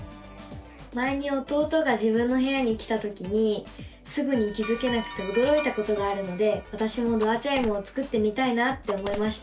前に弟が自分の部屋に来たときにすぐに気付けなくておどろいたことがあるのでわたしもドアチャイムを作ってみたいなって思いました！